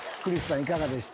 いかがでしたか？